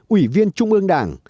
ủy viên trung ương đảng